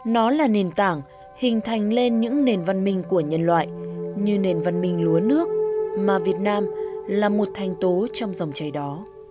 nó là nền tảng hình thành lên những nền văn minh của nhân loại như nền văn minh lúa nước mà việt nam là một thành tố trong dòng chảy đó